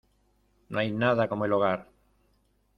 No hay nada como el hogar.